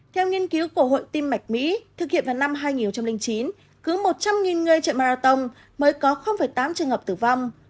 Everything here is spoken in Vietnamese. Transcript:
theo nghiên cứu của hội tim mạch mỹ thực hiện vào năm hai nghìn chín cứ một trăm linh người chạy marathon mới có tám trường hợp tử vong